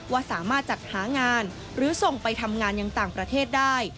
ว่าสามารถจัดหางานหรือส่งไปทำงานอย่างต่างประเทศได้